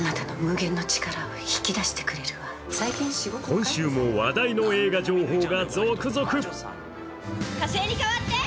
今週も話題の映画情報が続々。